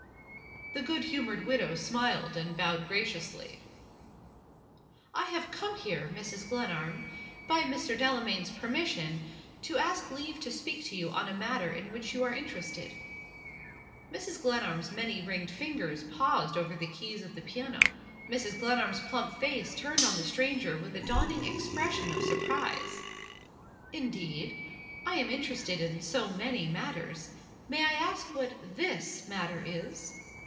The good humored widow smiled and bowed graciously. "I have come here, Mrs. Glenarm by Mr. Delamayn's permission to ask leave to speak to you on a matter in which you are interested." Mrs. Glenarm's many ringed fingers paused over the keys of the piano. Mrs. Gle narm's plump face turned on the stranger with a dawning expression of surprise. "Indeed? I am interested in so many matters. May I ask what this matter is?"